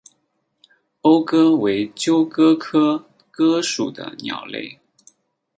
欧鸽为鸠鸽科鸽属的鸟类。